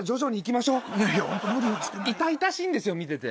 痛々しいんですよ見てて。